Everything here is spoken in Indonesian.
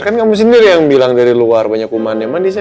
kan kamu sendiri yang bilang dari luar banyak umahannya mandi